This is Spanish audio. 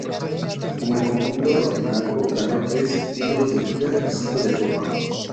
Con el conjunto rojiblanco ganó tres títulos de Liga y cinco de Copa.